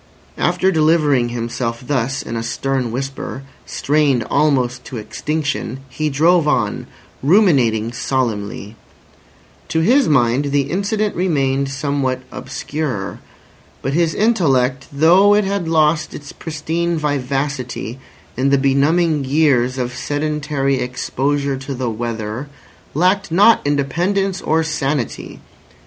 After delivering himself thus in a stern whisper, strained almost to extinction, he drove on, ruminating solemnly. To his mind the incident remained somewhat obscure. But his intellect, though it had lost its pristine vivacity in the benumbing years of sedentary exposure to the weather, lacked not independence or sanity.